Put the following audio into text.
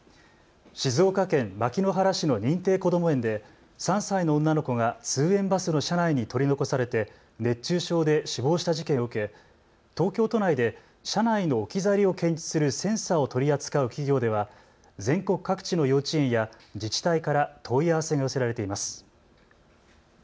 静岡県牧之原市の認定こども園で３歳の女の子が通園バスの車内に取り残されて熱中症で死亡した事件を受け、東京都内で車内の置き去りを検知するセンサーを取り扱う企業では全国各地の幼稚園や自治体から問い合わせが寄せられています。